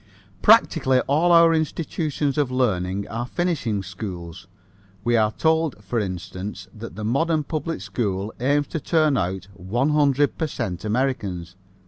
Practically all our institutions of learning are finishing schools. We are told, for instance, that the modern public school aims to turn out 100 per cent Americans.